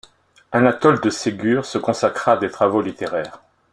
Anatole de Ségur se consacra à des travaux littéraires.